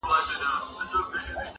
انعامونه درکومه په سل ګوني!.